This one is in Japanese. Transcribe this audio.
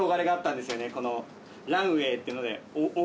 「ランウェイ」っていうので。